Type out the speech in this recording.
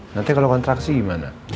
nanti kalau kontraksi gimana